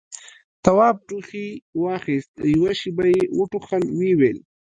تواب ټوخي واخيست، يوه شېبه يې وټوخل، ويې ويل: